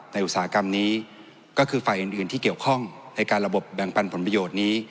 อุตสาหกรรมนี้ก็คือฝ่ายอื่นที่เกี่ยวข้องในการระบบแบ่งปันผลประโยชน์นี้